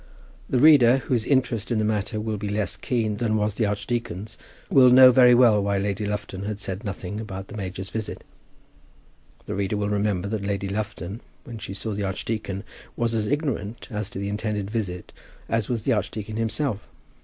The reader, whose interest in the matter will be less keen than was the archdeacon's, will know very well why Lady Lufton had said nothing about the major's visit. The reader will remember that Lady Lufton, when she saw the archdeacon, was as ignorant as to the intended visit as was the archdeacon himself.